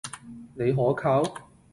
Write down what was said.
你可靠？